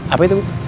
apa itu bu